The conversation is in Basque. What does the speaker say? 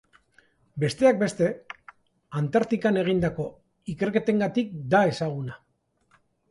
Besteak beste, Antartikan egindako ikerketengatik da ezaguna.